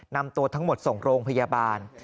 นำตัวทั้งหมดส่งโรงพยาบาล